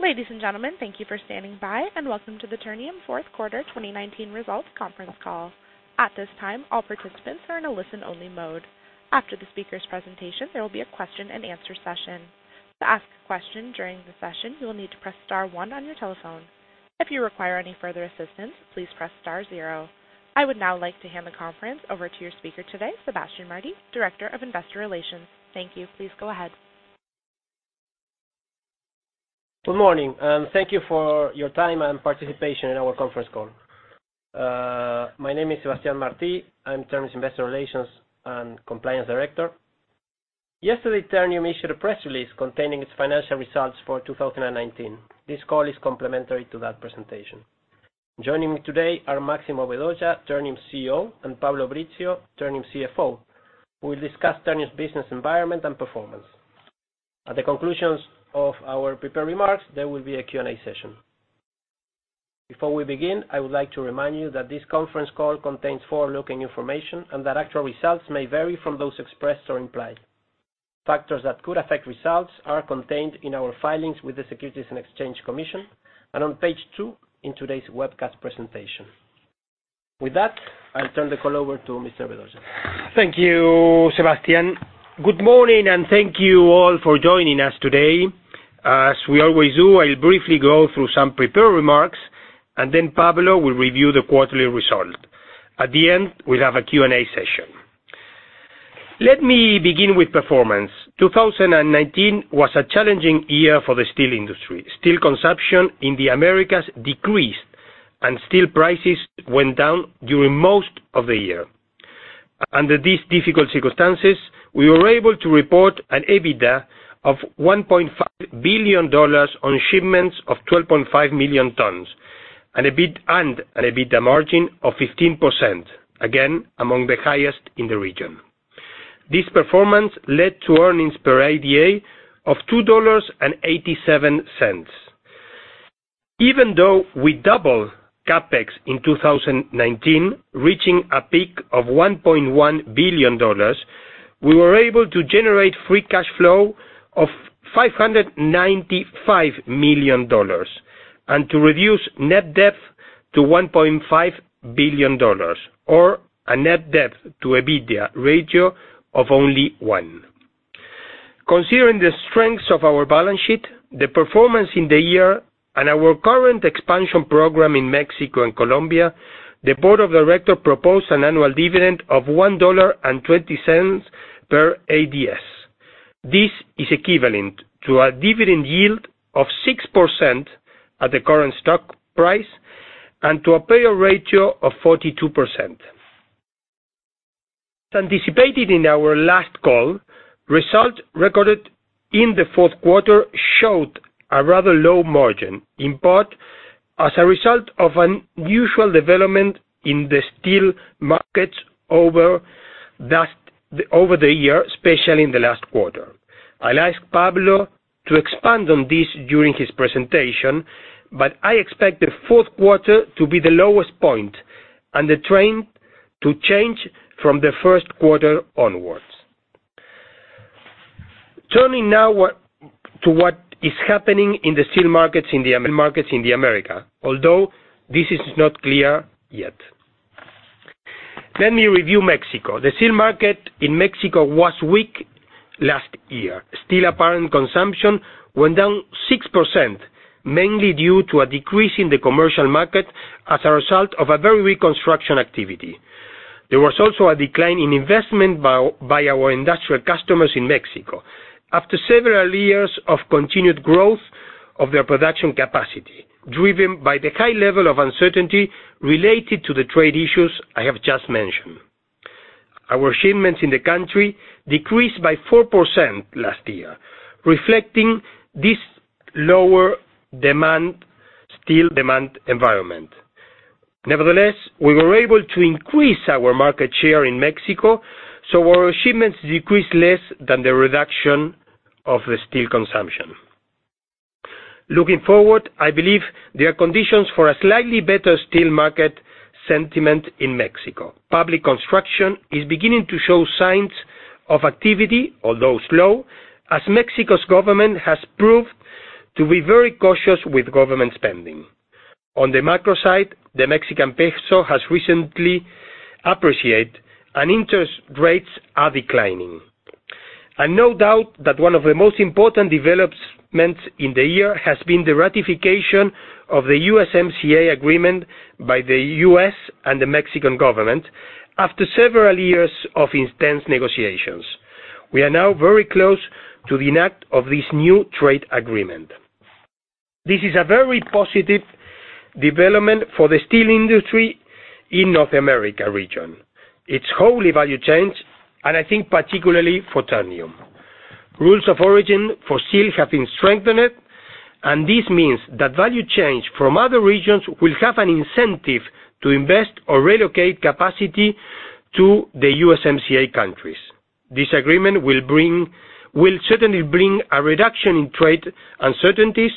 Ladies and gentlemen, thank you for standing by, and welcome to the Ternium Fourth Quarter 2019 Results Conference Call. At this time, all participants are in a listen only mode. After the speakers' presentation, there will be a question and answer session. To ask a question during the session, you'll need to press star one on your telephone. If you require any further assistance, please press star zero. I would now like to hand the conference over to your speaker today, Sebastián Martí, Director of Investor Relations. Thank you. Please go ahead. Good morning. Thank you for your time and participation in our conference call. My name is Sebastián Martí. I'm Ternium's Investor Relations and Compliance Director. Yesterday, Ternium issued a press release containing its financial results for 2019. This call is complementary to that presentation. Joining me today are Máximo Vedoya, Ternium's CEO, and Pablo Brizzio, Ternium's CFO, who will discuss Ternium's business environment and performance. At the conclusions of our prepared remarks, there will be a Q&A session. Before we begin, I would like to remind you that this conference call contains forward-looking information and that actual results may vary from those expressed or implied. Factors that could affect results are contained in our filings with the Securities and Exchange Commission and on page two in today's webcast presentation. With that, I'll turn the call over to Mr. Vedoya. Thank you, Sebastián. Good morning, and thank you all for joining us today. As we always do, I'll briefly go through some prepared remarks, and then Pablo will review the quarterly result. At the end, we'll have a Q&A session. Let me begin with performance. 2019 was a challenging year for the steel industry. Steel consumption in the Americas decreased, and steel prices went down during most of the year. Under these difficult circumstances, we were able to report an EBITDA of $1.5 billion on shipments of 12.5 million tons, and an EBITDA margin of 15%, again, among the highest in the region. This performance led to earnings per ADS of $2.87. Even though we doubled CapEx in 2019, reaching a peak of $1.1 billion, we were able to generate free cash flow of $595 million and to reduce net debt to $1.5 billion, or a net debt to EBITDA ratio of only one. Considering the strengths of our balance sheet, the performance in the year, and our current expansion program in Mexico and Colombia, the board of directors proposed an annual dividend of $1.20 per ADS. This is equivalent to a dividend yield of 6% at the current stock price and to a payout ratio of 42%. As anticipated in our last call, results recorded in the fourth quarter showed a rather low margin, in part as a result of an unusual development in the steel markets over the year, especially in the last quarter. I'll ask Pablo to expand on this during his presentation, but I expect the fourth quarter to be the lowest point and the trend to change from the first quarter onwards. Turning now to what is happening in the steel markets in the Americas, although this is not clear yet. Let me review Mexico. The steel market in Mexico was weak last year. Steel apparent consumption went down 6%, mainly due to a decrease in the commercial market as a result of a very weak construction activity. There was also a decline in investment by our industrial customers in Mexico after several years of continued growth of their production capacity, driven by the high level of uncertainty related to the trade issues I have just mentioned. Our shipments in the country decreased by 4% last year, reflecting this lower steel demand environment. Nevertheless, we were able to increase our market share in Mexico, so our shipments decreased less than the reduction of the steel consumption. Looking forward, I believe there are conditions for a slightly better steel market sentiment in Mexico. Public construction is beginning to show signs of activity, although slow, as Mexico's government has proved to be very cautious with government spending. On the macro side, the Mexican peso has recently appreciated, and interest rates are declining. No doubt that one of the most important developments in the year has been the ratification of the USMCA agreement by the U.S. and the Mexican government after several years of intense negotiations. We are now very close to the enactment of this new trade agreement. This is a very positive development for the steel industry in North America region. It's whole value chain, and I think particularly for Ternium. Rules of origin for steel have been strengthened, and this means that value change from other regions will have an incentive to invest or relocate capacity to the USMCA countries. This agreement will certainly bring a reduction in trade uncertainties,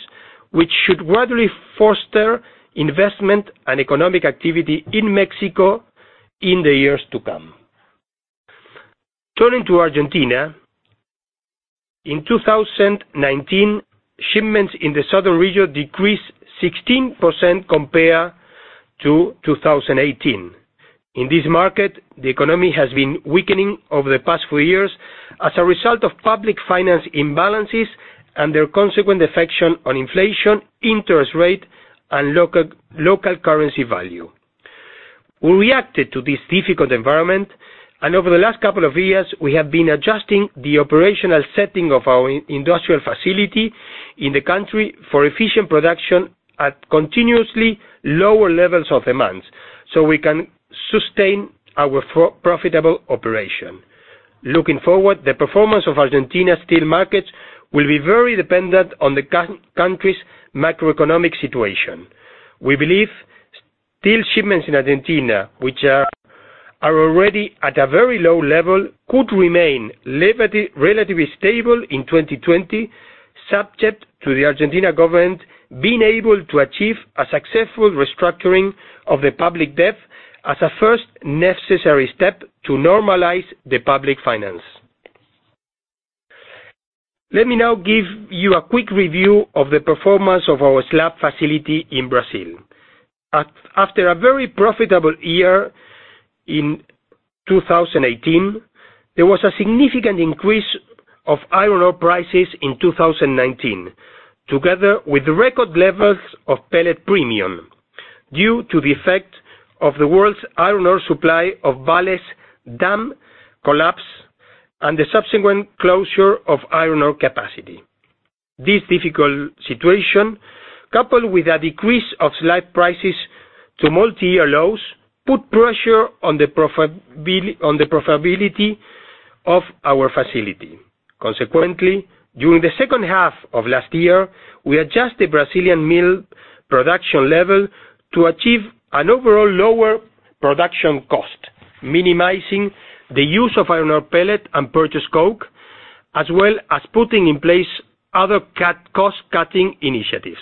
which should gradually foster investment and economic activity in Mexico in the years to come. Turning to Argentina, in 2019, shipments in the southern region decreased 16% compared to 2018. In this market, the economy has been weakening over the past four years as a result of public finance imbalances and their consequent effect on inflation, interest rate, and local currency value. We reacted to this difficult environment, and over the last couple of years, we have been adjusting the operational setting of our industrial facility in the country for efficient production at continuously lower levels of demand so we can sustain our profitable operation. Looking forward, the performance of Argentina's steel markets will be very dependent on the country's macroeconomic situation. We believe steel shipments in Argentina, which are already at a very low level, could remain relatively stable in 2020, subject to the Argentina government being able to achieve a successful restructuring of the public debt as a first necessary step to normalize the public finance. Let me now give you a quick review of the performance of our slab facility in Brazil. After a very profitable year in 2018, there was a significant increase of iron ore prices in 2019, together with record levels of pellet premium due to the effect of the world's iron ore supply of Vale's dam collapse and the subsequent closure of iron ore capacity. This difficult situation, coupled with a decrease of slab prices to multi-year lows, put pressure on the profitability of our facility. Consequently, during the second half of last year, we adjusted the Brazilian mill production level to achieve an overall lower production cost, minimizing the use of iron ore pellet and purchased coke, as well as putting in place other cost-cutting initiatives.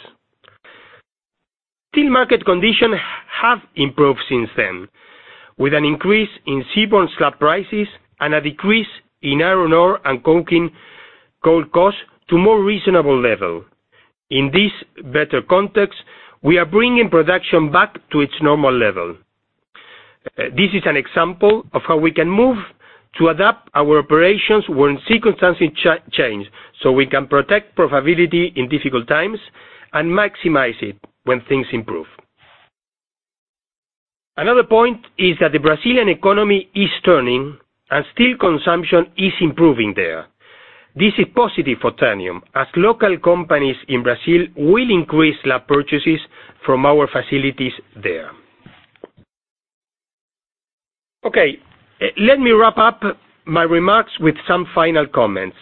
Steel market conditions have improved since then, with an increase in seaborne slab prices and a decrease in iron ore and coking coal costs to more reasonable levels. In this better context, we are bringing production back to its normal level. This is an example of how we can move to adapt our operations when circumstances change, so we can protect profitability in difficult times and maximize it when things improve. Another point is that the Brazilian economy is turning and steel consumption is improving there. This is positive for Ternium, as local companies in Brazil will increase slab purchases from our facilities there. Okay. Let me wrap up my remarks with some final comments.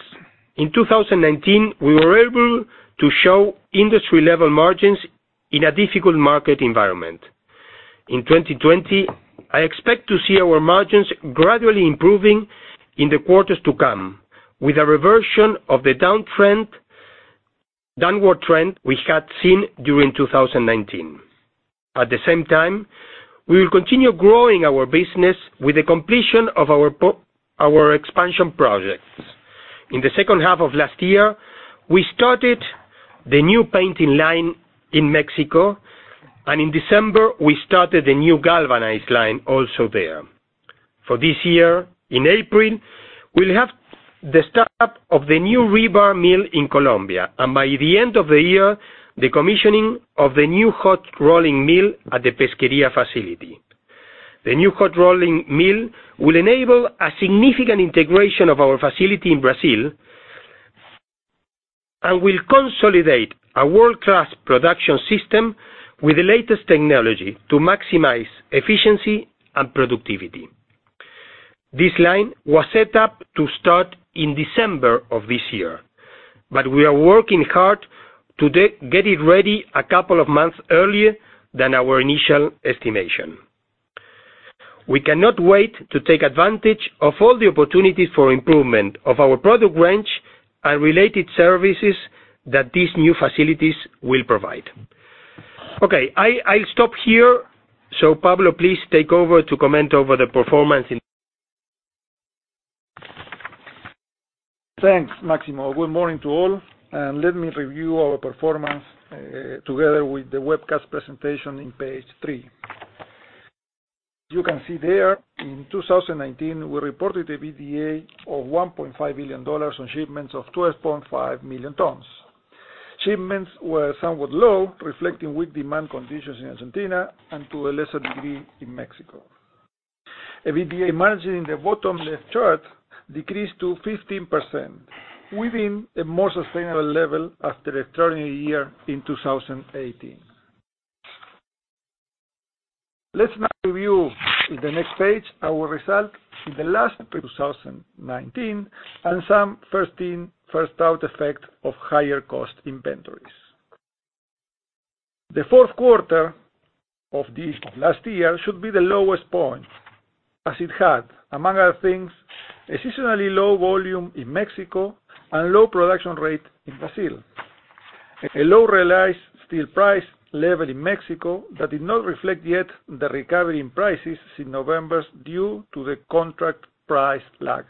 In 2019, we were able to show industry level margins in a difficult market environment. In 2020, I expect to see our margins gradually improving in the quarters to come, with a reversion of the downward trend we had seen during 2019. At the same time, we will continue growing our business with the completion of our expansion projects. In the second half of last year, we started the new painting line in Mexico, and in December, we started a new galvanized line also there. For this year, in April, we'll have the start-up of the new rebar mill in Colombia, and by the end of the year, the commissioning of the new hot rolling mill at the Pesquería facility. The new hot rolling mill will enable a significant integration of our facility in Brazil and will consolidate a world-class production system with the latest technology to maximize efficiency and productivity. This line was set up to start in December of this year, we are working hard to get it ready a couple of months earlier than our initial estimation. We cannot wait to take advantage of all the opportunities for improvement of our product range and related services that these new facilities will provide. I'll stop here. Pablo, please take over to comment over the performance in- Thanks, Máximo. Good morning to all. Let me review our performance, together with the webcast presentation on page three. You can see there, in 2019, we reported EBITDA of $1.5 billion on shipments of 12.5 million tons. Shipments were somewhat low, reflecting weak demand conditions in Argentina and, to a lesser degree, in Mexico. EBITDA margin in the bottom left chart decreased to 15%, within a more sustainable level after extraordinary year in 2018. Let's now review in the next page our results in the last part of 2019 and some first in, first out effect of higher cost inventories. The fourth quarter of last year should be the lowest point as it had, among other things, a seasonally low volume in Mexico and low production rate in Brazil. A low realized steel price level in Mexico that did not reflect yet the recovery in prices in November due to the contract price lag.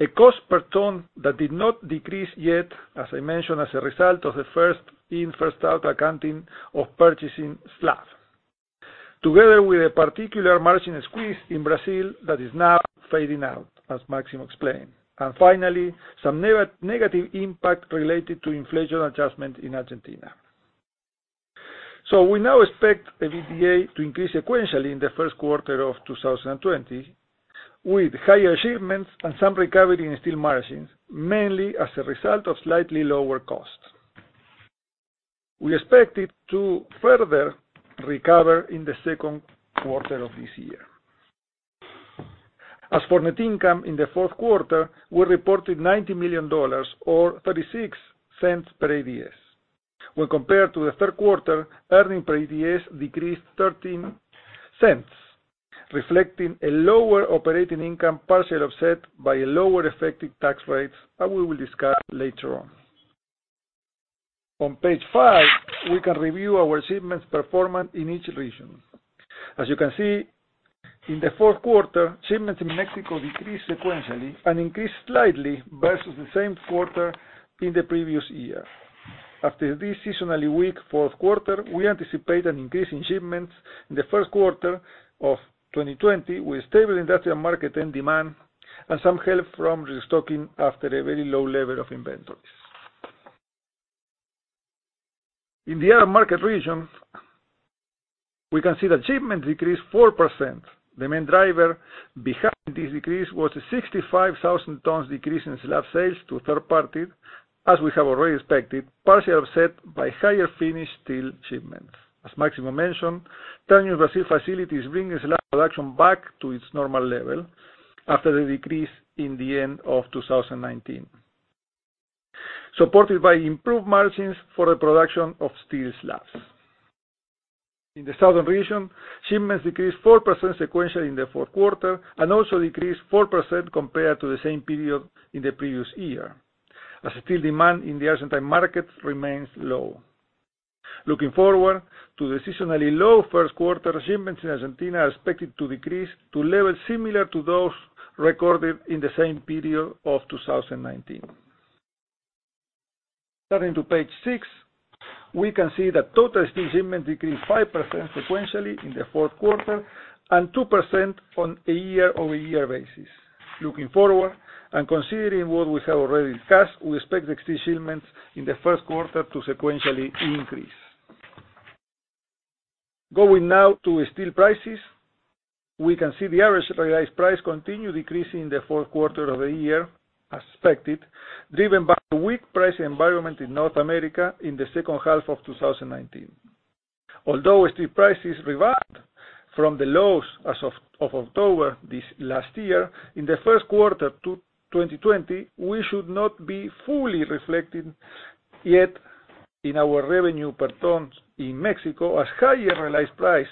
A cost per ton that did not decrease yet, as I mentioned, as a result of the first in, first out accounting of purchasing slab. Together with a particular margin squeeze in Brazil that is now fading out, as Máximo explained. Finally, some negative impact related to inflation adjustment in Argentina. We now expect EBITDA to increase sequentially in the first quarter of 2020 with higher shipments and some recovery in steel margins, mainly as a result of slightly lower costs. We expect it to further recover in the second quarter of this year. As for net income in the fourth quarter, we reported $90 million or $0.36 per ADS. When compared to the third quarter, earnings per ADS decreased $0.13, reflecting a lower operating income, partially offset by a lower effective tax rate, as we will discuss later on. On page five, we can review our shipments performance in each region. As you can see, in the fourth quarter, shipments in Mexico decreased sequentially and increased slightly versus the same quarter in the previous year. After this seasonally weak fourth quarter, we anticipate an increase in shipments in the first quarter of 2020 with stable industrial market and demand and some help from restocking after a very low level of inventories. In the other market regions, we can see that shipments decreased 4%. The main driver behind this decrease was a 65,000 tons decrease in slab sales to third parties, as we have already expected, partially offset by higher finished steel shipments. As Máximo mentioned, Ternium Brasil facility is bringing slab production back to its normal level after the decrease in the end of 2019, supported by improved margins for the production of steel slabs. In the southern region, shipments decreased 4% sequentially in the fourth quarter and also decreased 4% compared to the same period in the previous year, as steel demand in the Argentine market remains low. Looking forward to the seasonally low first quarter, shipments in Argentina are expected to decrease to levels similar to those recorded in the same period of 2019. Turning to page six, we can see that total steel shipments decreased 5% sequentially in the fourth quarter and 2% on a year-over-year basis. Looking forward, considering what we have already discussed, we expect steel shipments in the first quarter to sequentially increase. Going now to steel prices, we can see the average realized price continued decreasing in the fourth quarter of the year, as expected, driven by weak price environment in North America in the second half of 2019. Although steel prices rebound from the lows as of October this last year, in the first quarter 2020, we should not be fully reflected yet in our revenue per ton in Mexico, as higher realized price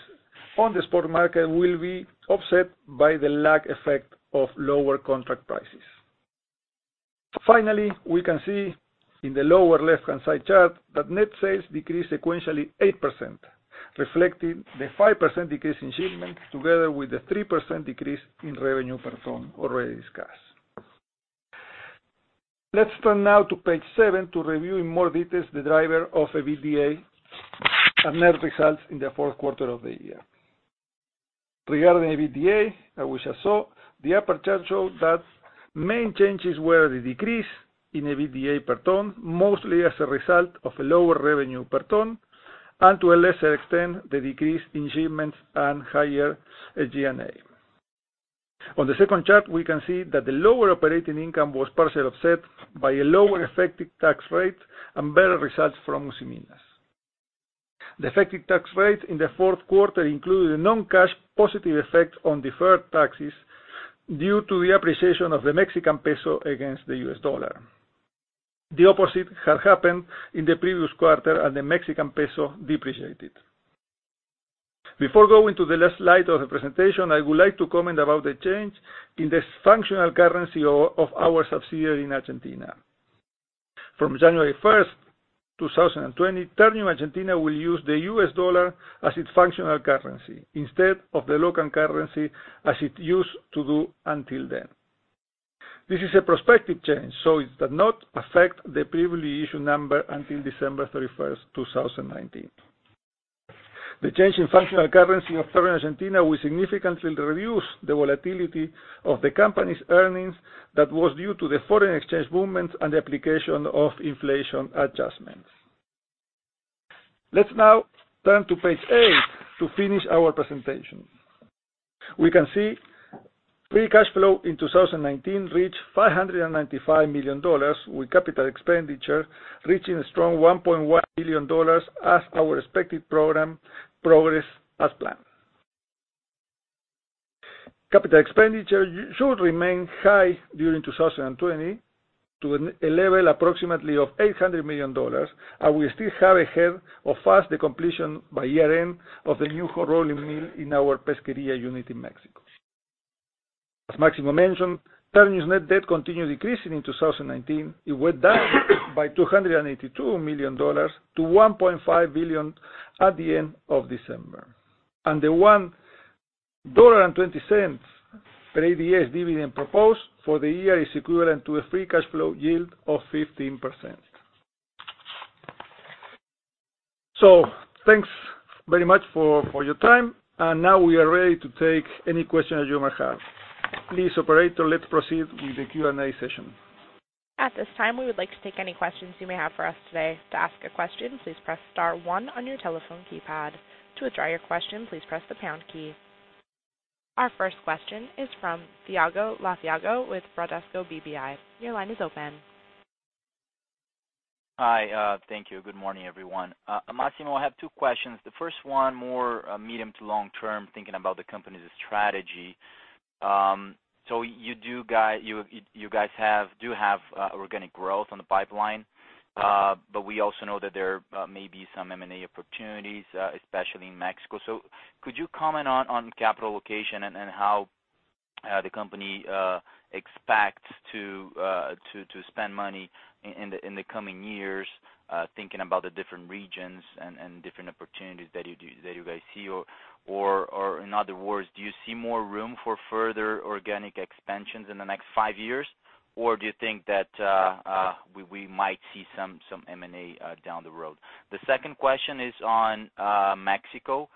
on the spot market will be offset by the lag effect of lower contract prices. Finally, we can see in the lower left-hand side chart that net sales decreased sequentially 8%, reflecting the 5% decrease in shipments together with the 3% decrease in revenue per ton already discussed. Let's turn now to page seven to review in more details the driver of EBITDA and net results in the fourth quarter of the year. Regarding EBITDA, as we just saw, the upper chart shows that main changes were the decrease in EBITDA per ton, mostly as a result of lower revenue per ton, to a lesser extent, the decrease in shipments and higher SG&A. On the second chart, we can see that the lower operating income was partially offset by a lower effective tax rate and better results from Usiminas. The effective tax rate in the fourth quarter included a non-cash positive effect on deferred taxes due to the appreciation of the Mexican peso against the U.S. dollar. The opposite had happened in the previous quarter as the Mexican peso depreciated. Before going to the last slide of the presentation, I would like to comment about the change in the functional currency of our subsidiary in Argentina. From January 1st, 2020, Ternium Argentina will use the U.S. dollar as its functional currency instead of the local currency as it used to do until then. This is a prospective change, so it does not affect the previously issued number until December 31st, 2019. The change in functional currency of Ternium Argentina will significantly reduce the volatility of the company's earnings that was due to the foreign exchange movements and the application of inflation adjustments. Let's now turn to page eight to finish our presentation. We can see free cash flow in 2019 reached $595 million, with capital expenditure reaching a strong $1.1 billion as our expected progress as planned. Capital expenditure should remain high during 2020 to a level approximately of $800 million. We still have ahead of us the completion by year-end of the new hot rolling mill in our Pesquería unit in Mexico. As Máximo mentioned, Ternium's net debt continued decreasing in 2019. It went down by $282 million-$1.5 billion at the end of December. The $1.20 per ADS dividend proposed for the year is equivalent to a free cash flow yield of 15%. Thanks very much for your time, and now we are ready to take any questions you may have. Please, Operator, let's proceed with the Q&A session. At this time, we would like to take any questions you may have for us today. To ask a question, please press star one on your telephone keypad. To withdraw your question, please press the pound key. Our first question is from Thiago Lofiego with Bradesco BBI. Your line is open. Hi. Thank you. Good morning, everyone. Máximo, I have two questions. The first one, more medium to long term, thinking about the company's strategy. You guys do have organic growth on the pipeline. We also know that there may be some M&A opportunities, especially in Mexico. Could you comment on capital allocation and how the company expects to spend money in the coming years, thinking about the different regions and different opportunities that you guys see? In other words, do you see more room for further organic expansions in the next five years? Do you think that we might see some M&A down the road? The second question is on Mexico.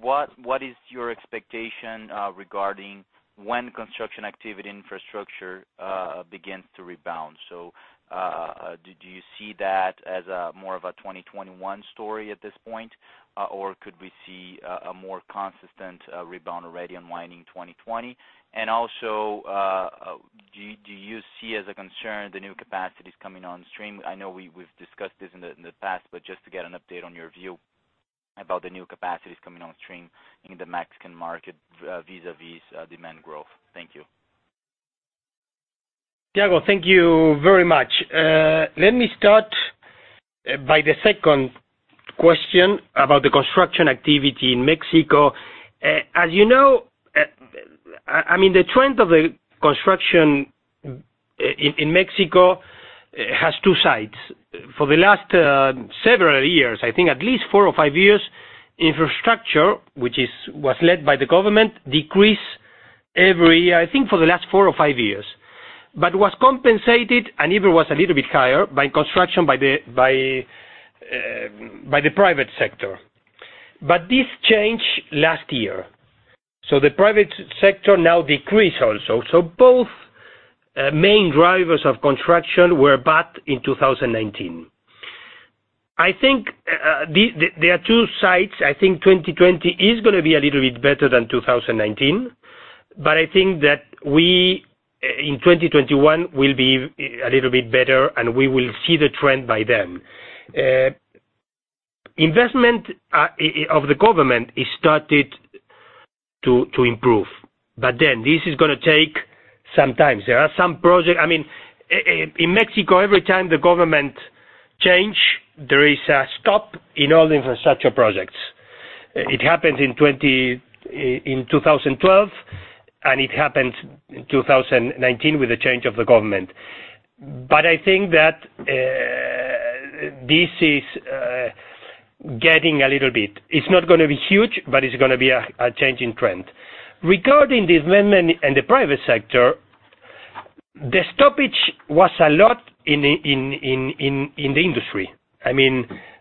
What is your expectation regarding when construction activity infrastructure begins to rebound? Do you see that as more of a 2021 story at this point? Could we see a more consistent rebound already in winding 2020? Also, do you see as a concern the new capacities coming on stream? I know we've discussed this in the past, just to get an update on your view about the new capacities coming on stream in the Mexican market vis-a-vis demand growth. Thank you. Thiago, thank you very much. Let me start by the second question about the construction activity in Mexico. As you know, the trend of the construction in Mexico has two sides. For the last several years, I think at least four or five years, infrastructure, which was led by the government, decreased every year, I think for the last four or five years. Was compensated, and even was a little bit higher, by construction by the private sector. This changed last year. The private sector now decreased also. Both main drivers of construction were bad in 2019. There are two sides. I think 2020 is going to be a little bit better than 2019. I think that we, in 2021, will be a little bit better, and we will see the trend by then. Investment of the government has started to improve. This is going to take some time. In Mexico, every time the government change, there is a stop in all infrastructure projects. It happened in 2012, and it happened in 2019 with the change of the government. I think that this is getting a little bit. It's not going to be huge, but it's going to be a change in trend. Regarding the investment in the private sector, the stoppage was a lot in the industry.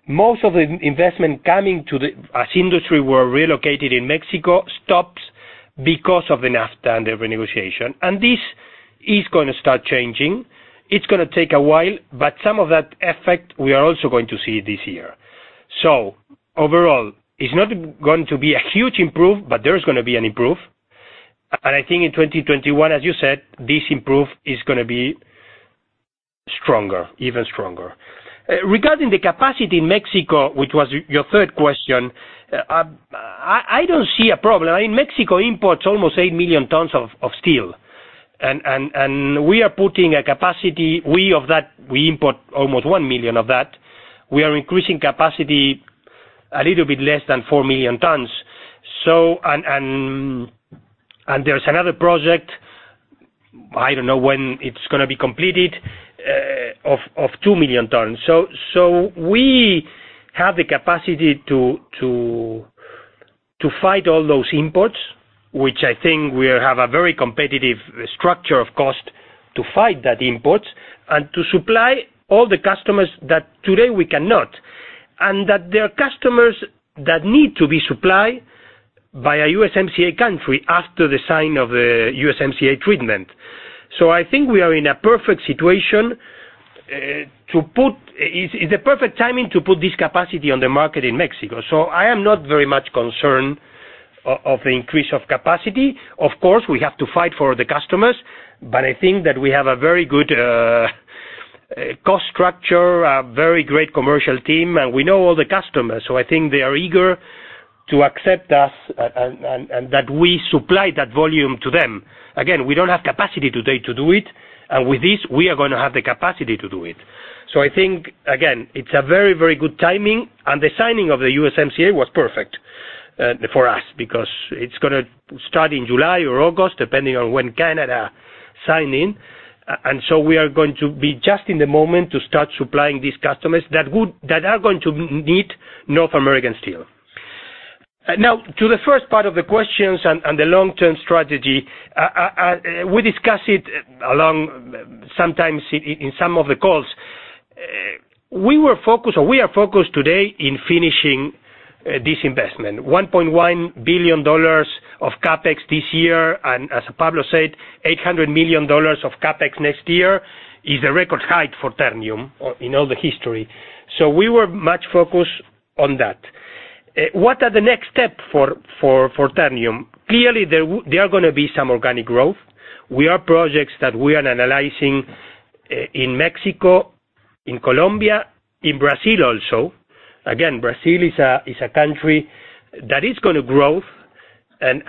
Most of the investment coming as industry were relocated in Mexico stops because of the NAFTA and the renegotiation. This is going to start changing. It's going to take a while, but some of that effect, we are also going to see this year. Overall, it's not going to be a huge improvement, but there's going to be an improvement. I think in 2021, as you said, this improvement is going to be even stronger. Regarding the capacity in Mexico, which was your third question, I don't see a problem. Mexico imports almost eight million tons of steel. We import almost one million of that. We are increasing capacity a little bit less than four million tons. There's another project, I don't know when it's going to be completed, of 2 million tons. We have the capacity to fight all those imports, which I think we have a very competitive structure of cost to fight that import and to supply all the customers that today we cannot, and that there are customers that need to be supplied by a USMCA country after the sign of the USMCA treatment. I think we are in a perfect situation. It's a perfect timing to put this capacity on the market in Mexico. I am not very much concerned of the increase of capacity. Of course, we have to fight for the customers, but I think that we have a very good cost structure, a very great commercial team, and we know all the customers. I think they are eager to accept us, and that we supply that volume to them. Again, we don't have capacity today to do it, and with this, we are going to have the capacity to do it. I think, again, it's a very, very good timing, and the signing of the USMCA was perfect for us because it's going to start in July or August, depending on when Canada sign in. We are going to be just in the moment to start supplying these customers that are going to need North American steel. To the first part of the questions and the long-term strategy, we discuss it sometimes in some of the calls. We are focused today on finishing this investment. $1.1 billion of CapEx this year, and as Pablo said, $800 million of CapEx next year is a record height for Ternium in all the history. We were much focused on that. What are the next step for Ternium? Clearly, there are going to be some organic growth. We have projects that we are analyzing in Mexico, in Colombia, in Brazil also. Again, Brazil is a country that is going to grow, and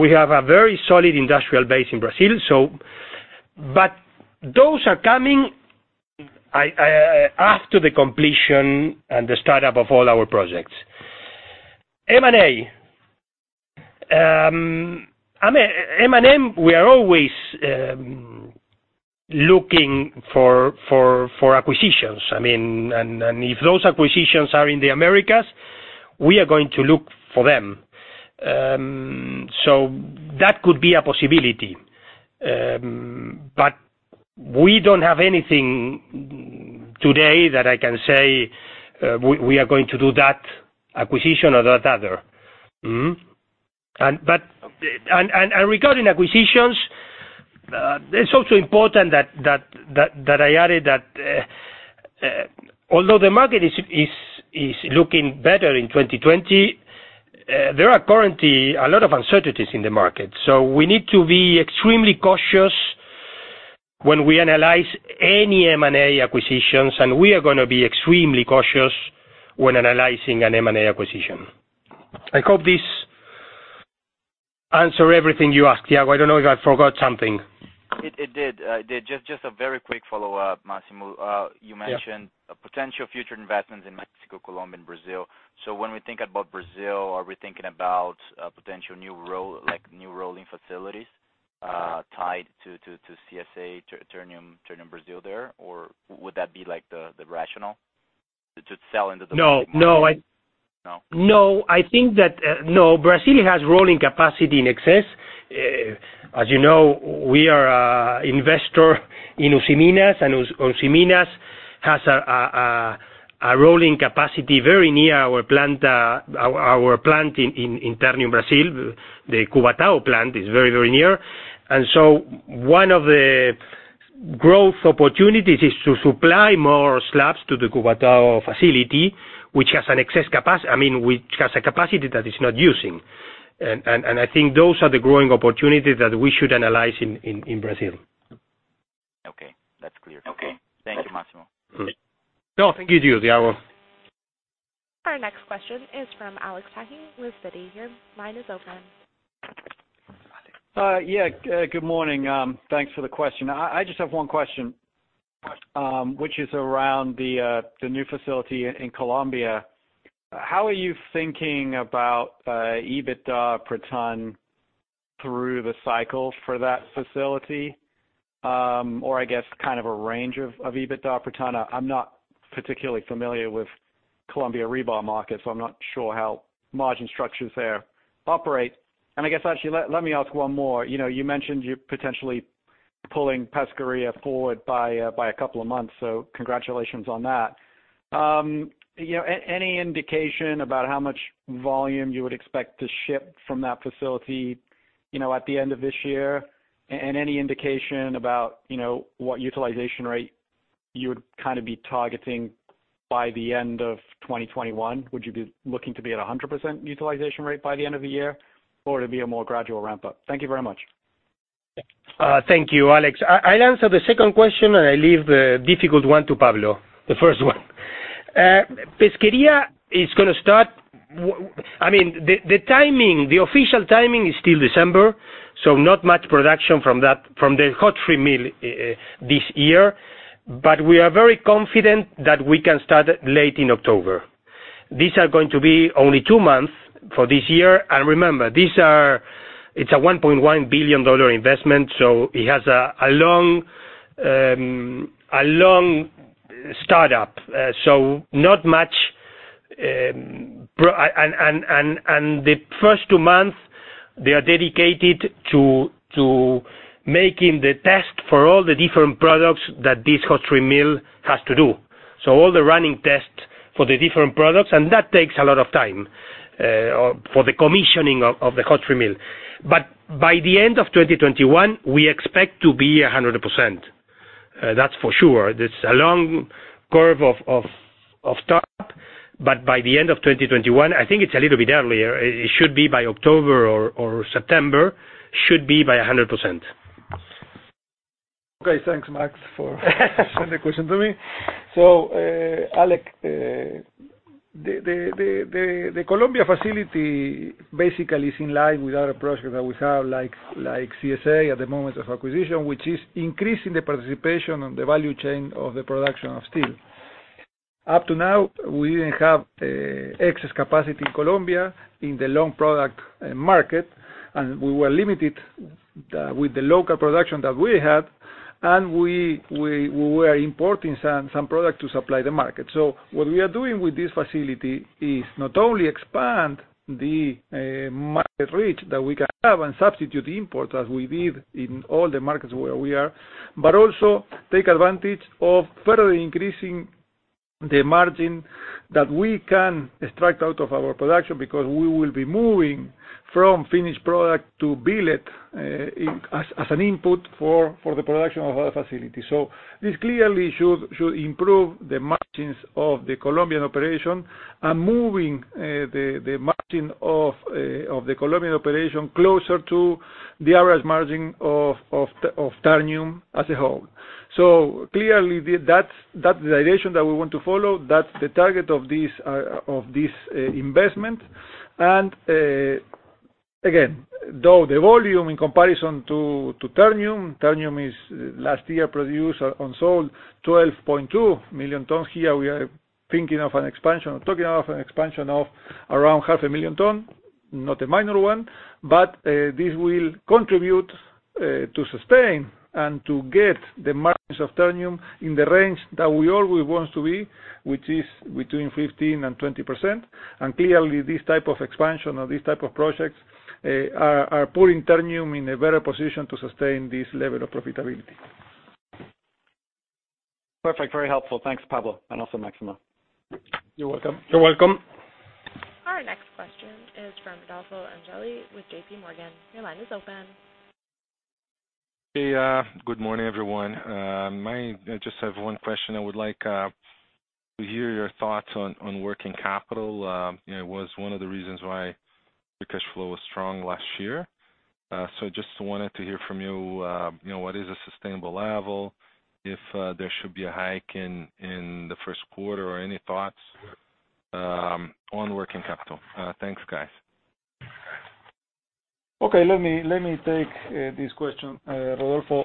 we have a very solid industrial base in Brazil. Those are coming after the completion and the startup of all our projects. M&A. M&A, we are always looking for acquisitions. If those acquisitions are in the Americas, we are going to look for them. That could be a possibility. We don't have anything today that I can say we are going to do that acquisition or that other. Regarding acquisitions, it's also important that I added that although the market is looking better in 2020, there are currently a lot of uncertainties in the market. We need to be extremely cautious when we analyze any M&A acquisitions, and we are going to be extremely cautious when analyzing an M&A acquisition. I hope this answer everything you asked, Thiago. I don't know if I forgot something. It did. Just a very quick follow-up, Máximo. Yeah. You mentioned potential future investments in Mexico, Colombia, and Brazil. When we think about Brazil, are we thinking about potential new rolling facilities tied to CSA, to Ternium Brasil there, or would that be the rationale to sell into the? No. No? Brazil has rolling capacity in excess. As you know, we are investor in Usiminas, and Usiminas has a rolling capacity very near our plant in Ternium Brasil. The Cubatão plant is very near. One of the growth opportunities is to supply more slabs to the Cubatão facility, which has a capacity that it is not using. I think those are the growing opportunities that we should analyze in Brazil. Okay. That's clear. Thank you, Máximo. No, thank you, Thiago. Our next question is from Alex Hacking with Citi. Your line is open. Yeah. Good morning. Thanks for the question. I just have one question, which is around the new facility in Colombia. How are you thinking about EBITDA per ton through the cycle for that facility? I guess kind of a range of EBITDA per ton? I'm not particularly familiar with Colombia rebar market, so I'm not sure how margin structures there operate. I guess, actually, let me ask one more. You mentioned you're potentially pulling Pesquería forward by a couple of months, so congratulations on that. Any indication about how much volume you would expect to ship from that facility at the end of this year? Any indication about what utilization rate you would be targeting by the end of 2021? Would you be looking to be at 100% utilization rate by the end of the year, or it'll be a more gradual ramp-up? Thank you very much. Thank you, Alex. I'll answer the second question. I leave the difficult one to Pablo, the first one. Pesquería is going to start. The official timing is still December, not much production from the hot strip mill this year. We are very confident that we can start late in October. These are going to be only two months for this year. Remember, it's a $1.1 billion investment. It has a long startup. Not much. The first two months, they are dedicated to making the test for all the different products that this hot strip mill has to do. All the running tests for the different products, that takes a lot of time for the commissioning of the hot strip mill. By the end of 2021, we expect to be 100%. That's for sure. There's a long curve of startup, but by the end of 2021, I think it's a little bit earlier. It should be by October or September, should be by 100%. Okay, thanks, Máximo, for sending the question to me. Alex-The Colombia facility basically is in line with other projects that we have, like CSA at the moment of acquisition, which is increasing the participation and the value chain of the production of steel. Up to now, we didn't have excess capacity in Colombia in the long product market, and we were limited with the local production that we had, and we were importing some product to supply the market. What we are doing with this facility is not only expand the market reach that we can have and substitute imports as we did in all the markets where we are, but also take advantage of further increasing the margin that we can extract out of our production because we will be moving from finished product to billet as an input for the production of our facility. This clearly should improve the margins of the Colombian operation and moving the margin of the Colombian operation closer to the average margin of Ternium as a whole. Clearly that's the direction that we want to follow. That's the target of this investment. Again, though the volume in comparison to Ternium is last year produced and sold 12.2 million tons. Here we are thinking of an expansion, talking of an expansion of around 500,000 tons, not a minor one. This will contribute to sustain and to get the margins of Ternium in the range that we always want to be, which is between 15%-20%. Clearly, this type of expansion or this type of projects are putting Ternium in a better position to sustain this level of profitability. Perfect. Very helpful. Thanks, Pablo, and also Máximo. You're welcome. You're welcome. Our next question is from Rodolfo Angele with JPMorgan. Your line is open. Hey, good morning, everyone. I just have one question. I would like to hear your thoughts on working capital. It was one of the reasons why the cash flow was strong last year. Just wanted to hear from you, what is a sustainable level, if there should be a hike in the first quarter or any thoughts on working capital. Thanks, guys. Okay, let me take this question, Rodolfo.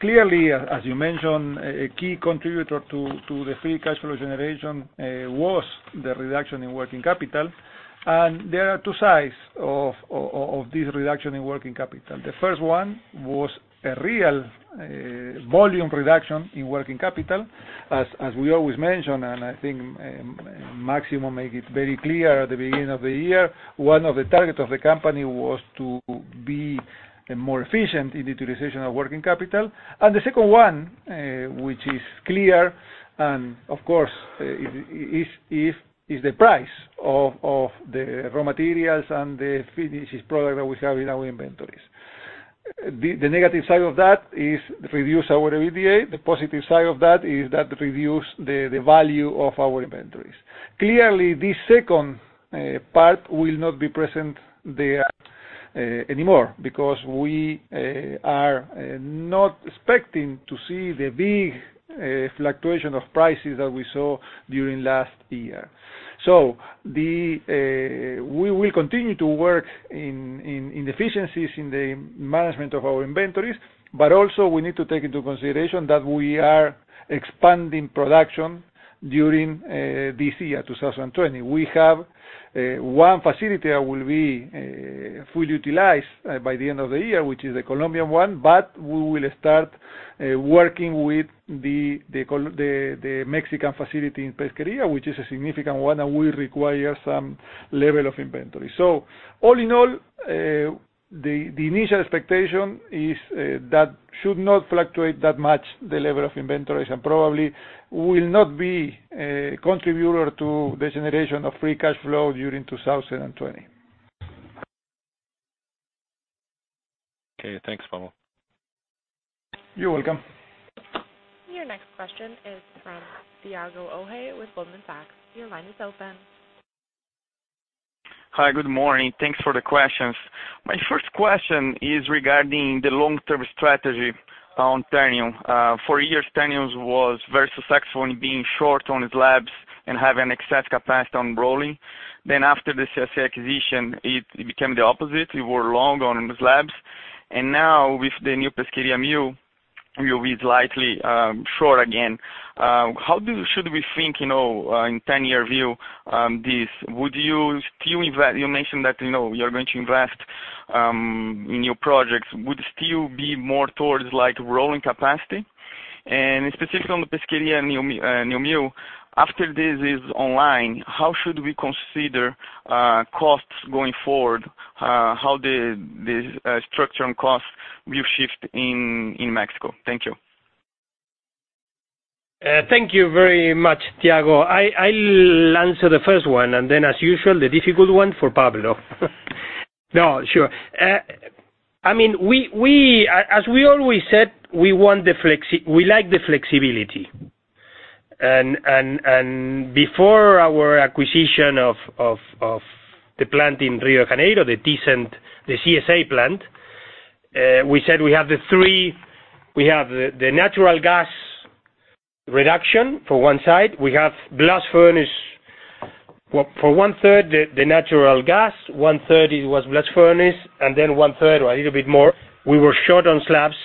Clearly, as you mentioned, a key contributor to the free cash flow generation was the reduction in working capital. There are two sides of this reduction in working capital. The first one was a real volume reduction in working capital. As we always mention, and I think Máximo made it very clear at the beginning of the year, one of the targets of the company was to be more efficient in the utilization of working capital. The second one, which is clear, and of course, is the price of the raw materials and the finished product that we have in our inventories. The negative side of that is it reduces our EBITDA. The positive side of that is that it reduces the value of our inventories. Clearly, this second part will not be present there anymore because we are not expecting to see the big fluctuation of prices that we saw during last year. We will continue to work in efficiencies in the management of our inventories, but also we need to take into consideration that we are expanding production during this year, 2020. We have one facility that will be fully utilized by the end of the year, which is the Colombian one, but we will start working with the Mexican facility in Pesquería, which is a significant one and will require some level of inventory. All in all, the initial expectation is that should not fluctuate that much the level of inventories and probably will not be a contributor to the generation of free cash flow during 2020. Okay, thanks, Pablo. You're welcome. Your next question is from Thiago Ojea with Goldman Sachs. Your line is open. Hi, good morning. Thanks for the questions. My first question is regarding the long-term strategy on Ternium. For years, Ternium was very successful in being short on slabs and have an excess capacity on rolling. After the CSA acquisition, it became the opposite. We were long on slabs, and now with the new Pesquería mill, we will be slightly short again. How should we think in 10-year view this? You mentioned that you're going to invest in new projects. Would still be more towards rolling capacity? Specifically on the Pesquería new mill, after this is online, how should we consider costs going forward? How the structure and cost will shift in Mexico? Thank you. Thank you very much, Thiago. I'll answer the first one, and then as usual, the difficult one for Pablo. No, sure. As we always said, we like the flexibility. Before our acquisition of the plant in Rio de Janeiro, the CSA plant. We said we have the three: we have the natural gas-based DRI for one side, we have blast furnace for 1/3, the natural gas, 1/3 was blast furnace, and then 1/3 or a little bit more, we were short on slabs,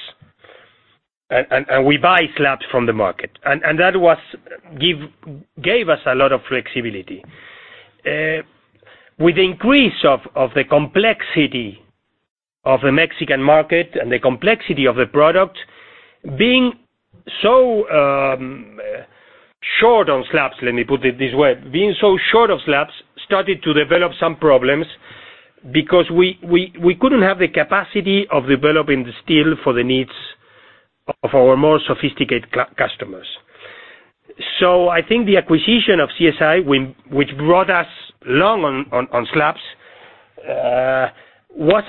and we buy slabs from the market. That gave us a lot of flexibility. With the increase of the complexity of the Mexican market and the complexity of the product, being so short on slabs, let me put it this way, being so short of slabs started to develop some problems because we couldn't have the capacity of developing the steel for the needs of our more sophisticated customers. I think the acquisition of CSA, which brought us long on slabs, was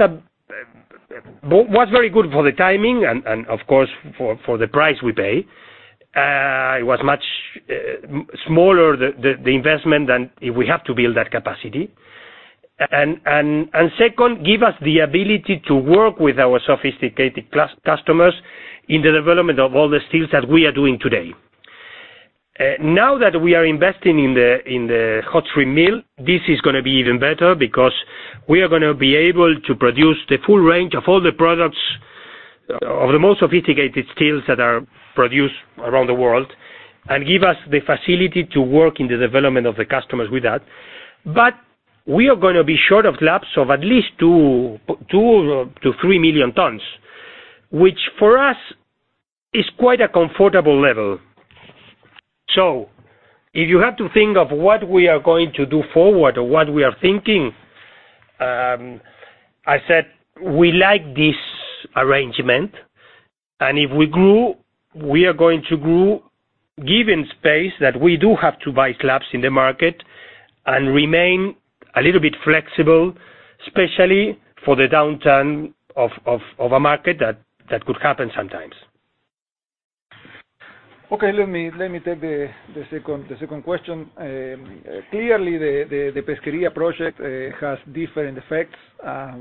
very good for the timing and of course, for the price we pay. It was much smaller, the investment, than if we have to build that capacity. Second, give us the ability to work with our sophisticated customers in the development of all the steels that we are doing today. Now that we are investing in the hot strip mill, this is going to be even better because we are going to be able to produce the full range of all the products, of the most sophisticated steels that are produced around the world, and give us the facility to work in the development of the customers with that. We are going to be short of slabs of at least 2 million-3 million tons, which for us is quite a comfortable level. If you have to think of what we are going to do forward or what we are thinking, I said we like this arrangement, and if we grow, we are going to grow, given space that we do have to buy slabs in the market and remain a little bit flexible, especially for the downturn of a market that could happen sometimes. Let me take the second question. Clearly, the Pesquería project has different effects.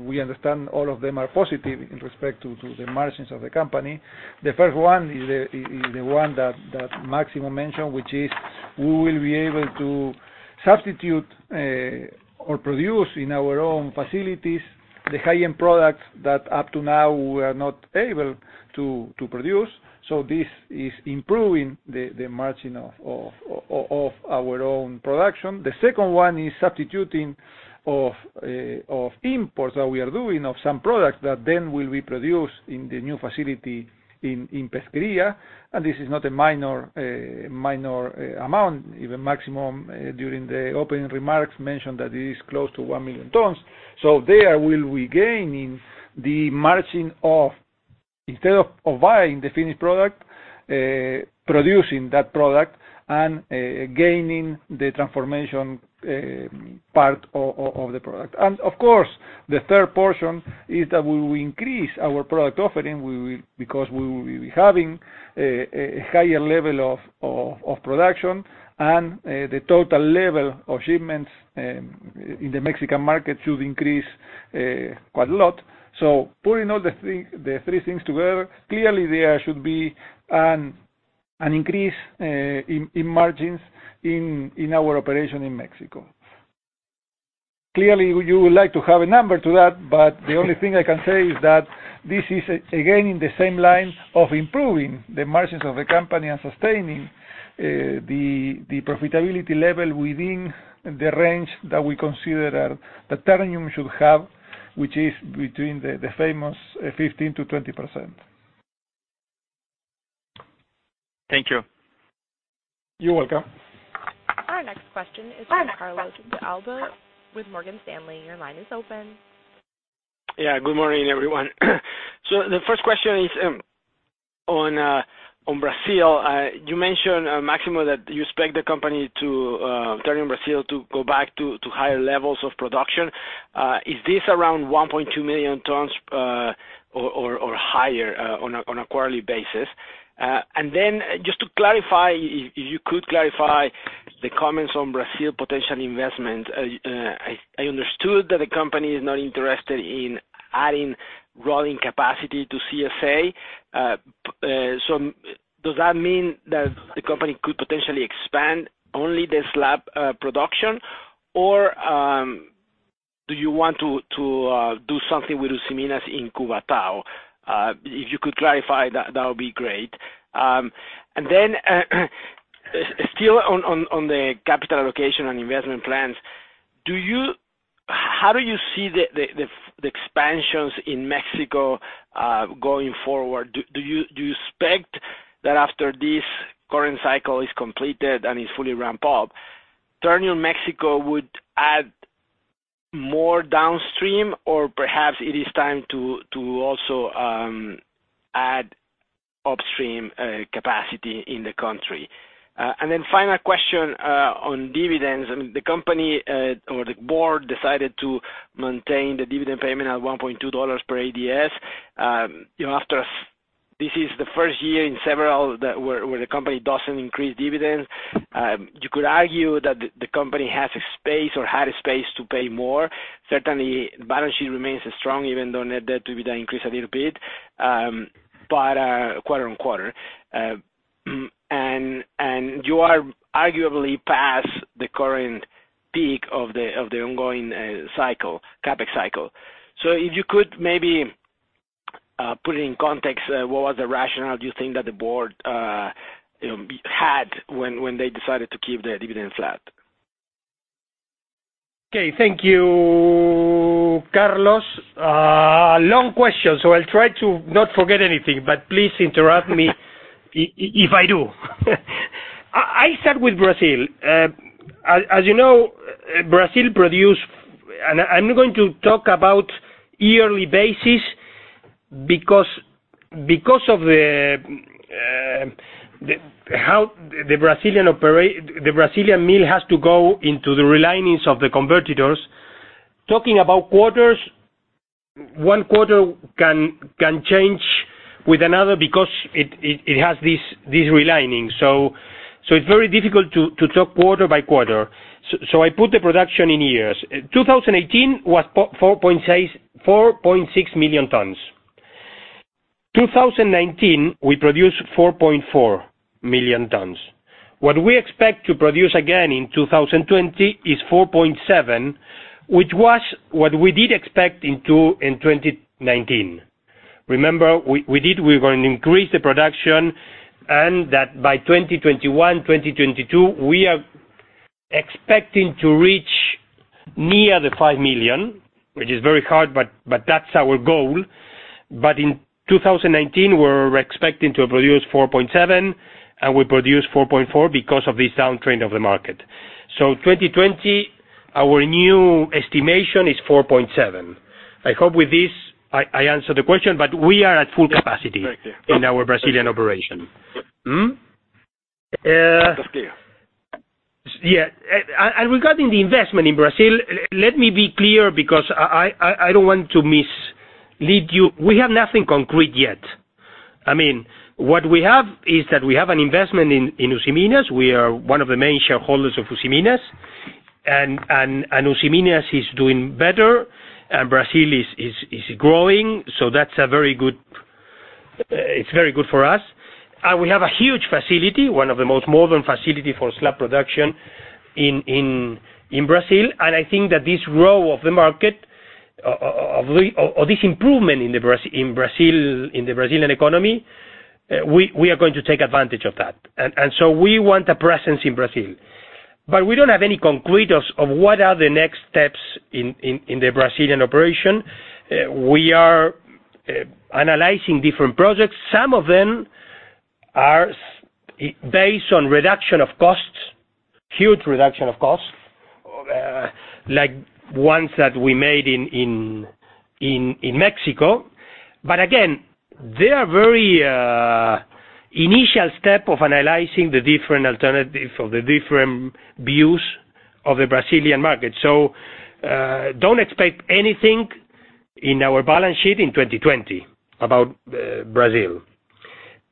We understand all of them are positive in respect to the margins of the company. The first one is the one that Máximo mentioned, which is we will be able to substitute or produce in our own facilities the high-end products that up to now we were not able to produce. This is improving the margin of our own production. The second one is substituting of imports that we are doing of some products that then will be produced in the new facility in Pesquería. This is not a minor amount, even Máximo, during the opening remarks, mentioned that it is close to 1 million tons. There we will gain in the margin of, instead of buying the finished product, producing that product and gaining the transformation part of the product. Of course, the third portion is that we will increase our product offering, because we will be having a higher level of production and the total level of shipments in the Mexican market should increase quite a lot. Putting all the three things together, clearly there should be an increase in margins in our operation in Mexico. Clearly, you would like to have a number to that, but the only thing I can say is that this is, again, in the same line of improving the margins of the company and sustaining the profitability level within the range that we consider that Ternium should have, which is between the famous 15%-20%. Thank you. You're welcome. Our next question is from Carlos De Alba with Morgan Stanley. Your line is open. Yeah. Good morning, everyone. The first question is on Brazil. You mentioned, Máximo, that you expect the company, Ternium Brasil, to go back to higher levels of production. Is this around 1.2 million tons or higher on a quarterly basis? Just to clarify, if you could clarify the comments on Brazil potential investment. I understood that the company is not interested in adding rolling capacity to CSA. Does that mean that the company could potentially expand only the slab production, or do you want to do something with Usiminas in Cubatão? If you could clarify, that would be great. Still on the capital allocation and investment plans, how do you see the expansions in Mexico going forward? Do you expect that after this current cycle is completed and is fully ramped up, Ternium Mexico would add more downstream, or perhaps it is time to also add upstream capacity in the country? Final question on dividends. The company or the board decided to maintain the dividend payment at $1.20 per ADS. This is the first year in several where the company doesn't increase dividends. You could argue that the company has a space or had a space to pay more. Certainly, the balance sheet remains strong, even though net debt will be increased a little bit quarter-on-quarter. You are arguably past the current peak of the ongoing CapEx cycle. If you could maybe put it in context, what was the rationale, do you think, that the board had when they decided to keep the dividend flat? Okay. Thank you, Carlos. Long question, I'll try to not forget anything, but please interrupt me if I do. I start with Brazil. As you know, Brazil produced I'm going to talk about yearly basis because of how the Brazilian mill has to go into the relinings of the converters. Talking about quarters, one quarter can change with another because it has these relinings. It's very difficult to talk quarter-by-quarter. I put the production in years. 2018 was 4.6 million tons. 2019, we produced 4.4 million tons. What we expect to produce again in 2020 is 4.7 million tons, which was what we did expect in 2019. Remember, we were going to increase the production, by 2021, 2022, we are expecting to reach near the 5 million tons, which is very hard, but that's our goal. In 2019, we were expecting to produce 4.7 million tons, and we produced 4.4 million tons because of this downtrend of the market. 2020, our new estimation is 4.7 million tons. I hope with this I answered the question, but we are at full capacity- Yeah. Thank you. In our Brazilian operation. Hmm? Scale. Yeah. Regarding the investment in Brazil, let me be clear because I don't want to mislead you. We have nothing concrete yet. What we have is that we have an investment in Usiminas. We are one of the main shareholders of Usiminas is doing better, Brazil is growing, it's very good for us. We have a huge facility, one of the most modern facility for slab production in Brazil. I think that this growth of the market, or this improvement in the Brazilian economy, we are going to take advantage of that. So we want a presence in Brazil. We don't have any concrete of what are the next steps in the Brazilian operation. We are analyzing different projects. Some of them are based on reduction of costs, huge reduction of costs, like ones that we made in Mexico. Again, they are very initial step of analyzing the different alternatives or the different views of the Brazilian market. Don't expect anything in our balance sheet in 2020 about Brazil.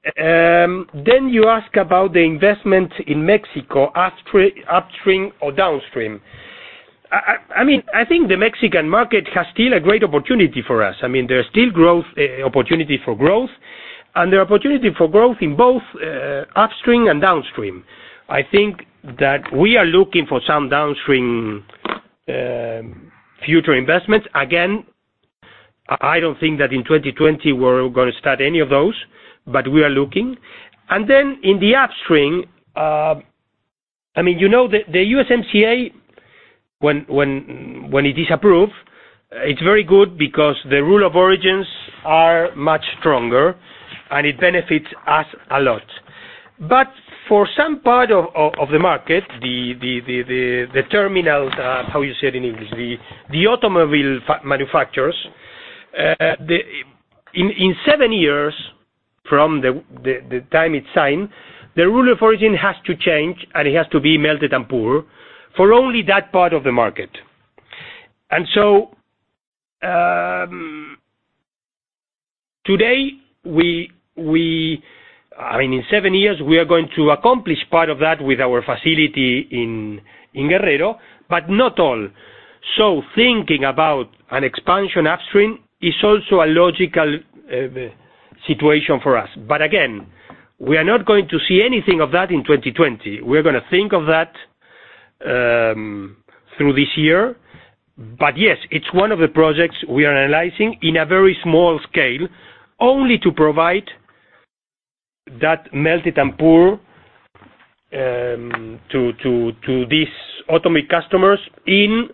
You ask about the investment in Mexico, upstream or downstream. I think the Mexican market has still a great opportunity for us. There's still opportunity for growth, and the opportunity for growth in both upstream and downstream. I think that we are looking for some downstream future investments. Again, I don't think that in 2020 we're going to start any of those, but we are looking. In the upstream, the USMCA, when it is approved, it's very good because the rule of origins are much stronger, and it benefits us a lot. For some part of the market, the terminal, how you say it in English, the automobile manufacturers. In seven years from the time it's signed, the rule of origin has to change, and it has to be melted and poured for only that part of the market. Today, in seven years, we are going to accomplish part of that with our facility in Guerrero, but not all. Thinking about an expansion upstream is also a logical situation for us. Again, we are not going to see anything of that in 2020. We're going to think of that through this year. Yes, it's one of the projects we are analyzing in a very small scale, only to provide that melted and poured to these automotive customers in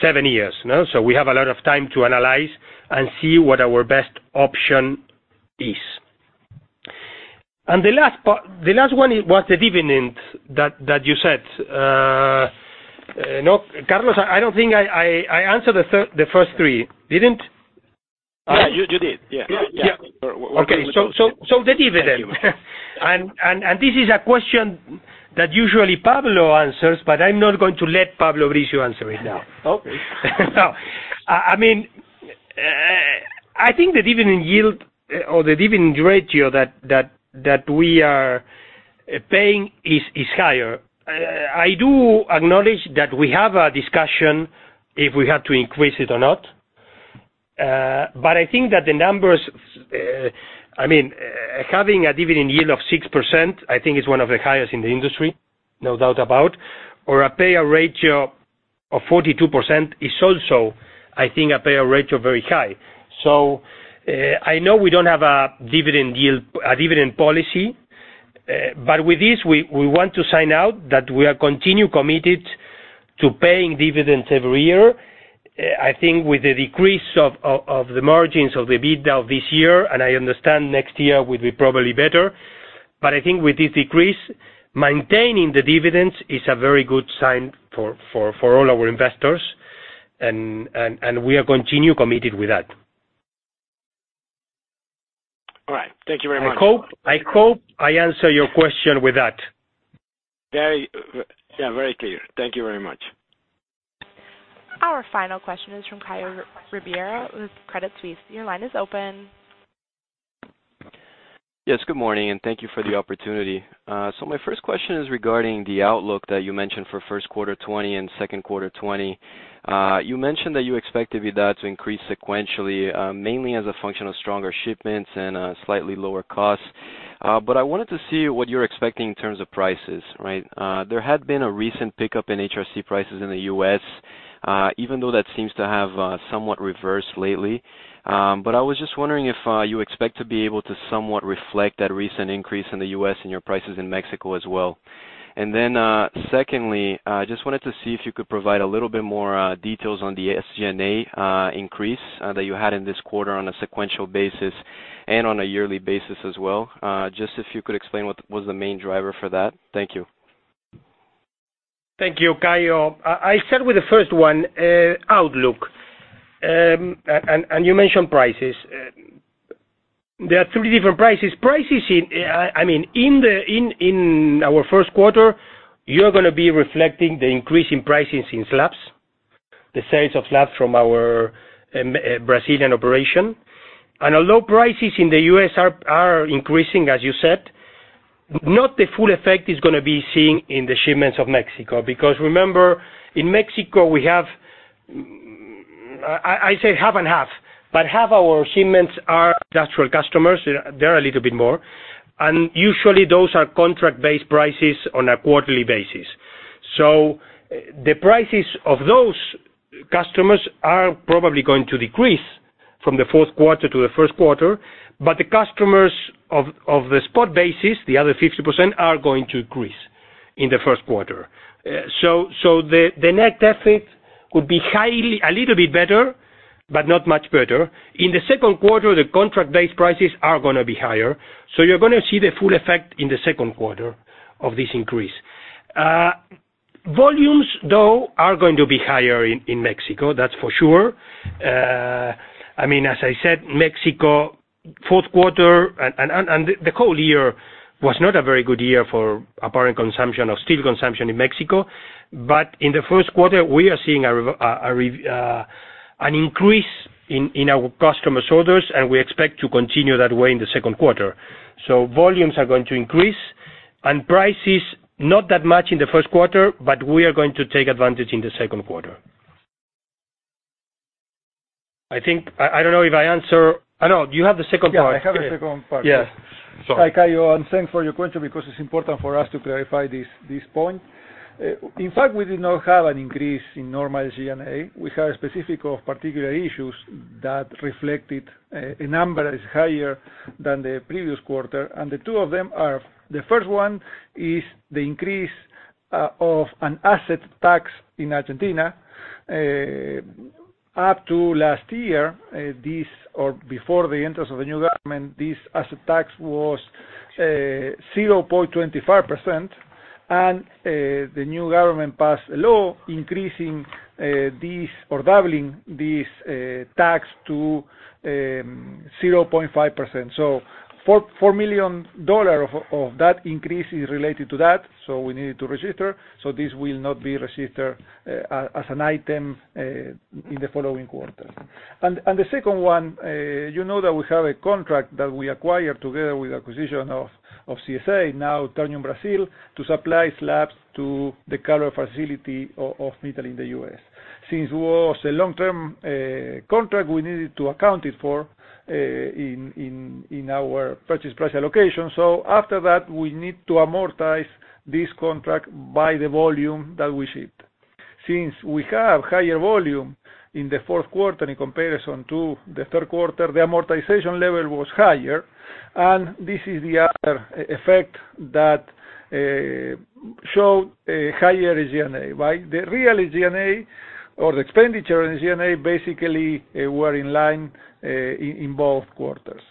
seven years. We have a lot of time to analyze and see what our best option is. The last one was the dividends that you said. No, Carlos, I don't think I answered the first three. You did, yeah. Yeah. Okay. The dividend. This is a question that usually Pablo answers, but I'm not going to let Pablo Brizzio answer it now. Okay. I think the dividend yield or the dividend ratio that we are paying is higher. I do acknowledge that we have a discussion if we have to increase it or not. I think that the numbers, having a dividend yield of 6%, I think, is one of the highest in the industry, no doubt about, or a payout ratio of 42% is also, I think, a payout ratio very high. I know we don't have a dividend policy, but with this, we want to sign out that we are continue committed to paying dividends every year. I think with the decrease of the margins of the EBITDA this year, and I understand next year will be probably better, but I think with this decrease, maintaining the dividends is a very good sign for all our investors, and we are continue committed with that. All right. Thank you very much. I hope I answer your question with that. Yeah, very clear. Thank you very much. Our final question is from Caio Ribeiro with Credit Suisse. Your line is open. Good morning, thank you for the opportunity. My first question is regarding the outlook that you mentioned for first quarter 2020 and second quarter 2020. You mentioned that you expect EBITDA to increase sequentially, mainly as a function of stronger shipments and slightly lower costs. I wanted to see what you're expecting in terms of prices. There had been a recent pickup in HRC prices in the U.S., even though that seems to have somewhat reversed lately. I was just wondering if you expect to be able to somewhat reflect that recent increase in the U.S. in your prices in Mexico as well. Secondly, just wanted to see if you could provide a little bit more details on the SG&A increase that you had in this quarter on a sequential basis and on a yearly basis as well. Just if you could explain what was the main driver for that. Thank you. Thank you, Caio. I start with the first one, outlook, and you mentioned prices. There are three different prices. Prices, in our first quarter, you're going to be reflecting the increase in prices in slabs, the sales of slabs from our Brazilian operation. Although prices in the U.S. are increasing, as you said, not the full effect is going to be seen in the shipments of Mexico. Remember, in Mexico, we have, I say half and half, but half our shipments are industrial customers. They're a little bit more. Usually, those are contract-based prices on a quarterly basis. The prices of those customers are probably going to decrease from the fourth quarter to the first quarter, but the customers of the spot basis, the other 50%, are going to increase in the first quarter. The net effect would be a little bit better, but not much better. In the second quarter, the contract-based prices are going to be higher. You're going to see the full effect in the second quarter of this increase. Volumes, though, are going to be higher in Mexico, that's for sure. As I said, Mexico, fourth quarter, and the whole year was not a very good year for apparent consumption of steel consumption in Mexico. In the first quarter, we are seeing an increase in our customers' orders, and we expect to continue that way in the second quarter. Volumes are going to increase, and prices, not that much in the first quarter, but we are going to take advantage in the second quarter. I don't know if I answer no, do you have the second part? Yeah, I have the second part. Yeah. Sorry. Hi, Caio, thanks for your question because it's important for us to clarify this point. In fact, we did not have an increase in normal SG&A. We had a specific of particular issues that reflected a number is higher than the previous quarter, and the two of them are, the first one is the increase of an asset tax in Argentina. Up to last year, or before the entrance of the new government, this asset tax was 0.25%, and the new government passed a law increasing this, or doubling this tax to 0.5%. $4 million of that increase is related to that, so we needed to register, so this will not be registered as an item in the following quarter. The second one, you know that we have a contract that we acquired together with acquisition of CSA, now Ternium Brasil, to supply slabs to the Calvert facility of AM/NS in the U.S. Since it was a long-term contract, we needed to account it for in our purchase price allocation. After that, we need to amortize this contract by the volume that we shipped. Since we have higher volume in the fourth quarter in comparison to the third quarter, the amortization level was higher, and this is the other effect that showed a higher SG&A. The real SG&A or the expenditure in SG&A basically were in line in both quarters.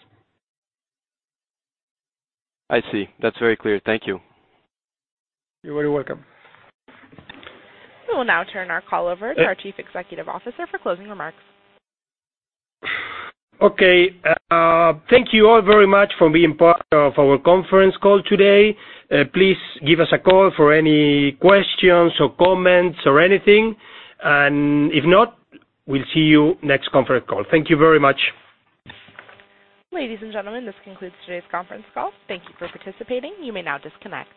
I see. That's very clear. Thank you. You're very welcome. We will now turn our call over to our Chief Executive Officer for closing remarks. Okay. Thank you all very much for being part of our conference call today. Please give us a call for any questions or comments or anything. If not, we'll see you next conference call. Thank you very much. Ladies and gentlemen, this concludes today's conference call. Thank you for participating. You may now disconnect.